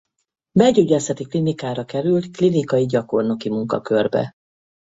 Belgyógyászati Klinikára került klinikai gyakornoki munkakörbe.